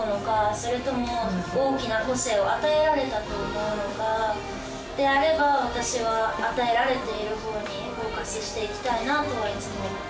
それとも大きな個性を与えられたと思うのかであれば私は与えられているほうにフォーカスしていきたいなとはいつも思ってます